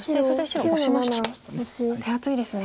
手厚いですね。